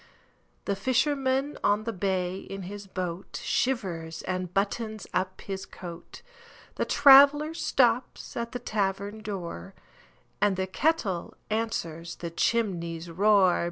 The fisherman on the bay in his boatShivers and buttons up his coat; The traveller stops at the tavern door, And the kettle answers the chimney's roar.